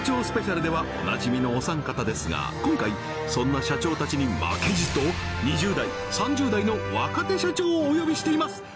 スペシャルではお馴染みのお三方ですが今回そんな社長たちに負けじと２０代３０代の若手社長をお呼びしています